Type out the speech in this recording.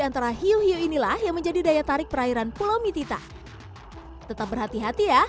antara hiu hiu inilah yang menjadi daya tarik perairan pulau mitita tetap berhati hati ya